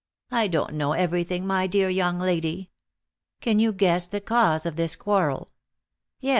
"I don't know everything, my dear young lady." "Can you guess the cause of this quarrel?" "Yes.